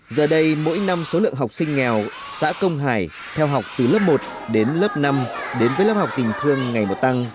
giờ đây mỗi năm số lượng học sinh nghèo xã công hải theo học từ lớp một đến lớp năm đến với lớp học tình thương ngày một tăng